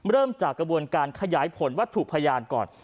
เริ่มจากกระบวนการขยายผลวัตถุพยานก่อน